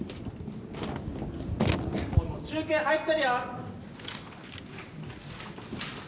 中継入ってるよ！